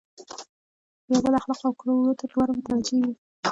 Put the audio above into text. د یو بل اخلاقو او کړو وړو ته دواړه متوجه وي.